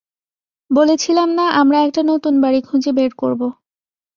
বলেছিলাম না আমরা একটা নতুন বাড়ি খুঁজে বের করবো।